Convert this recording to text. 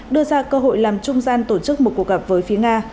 đưa ra cơ hội làm trung gian tổ chức một cuộc gặp với phía nga